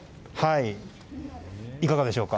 いかがでしょうか。